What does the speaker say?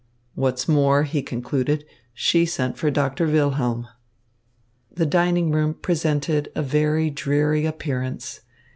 "What's more," he concluded, "she sent for Doctor Wilhelm." The dining room presented a very dreary appearance.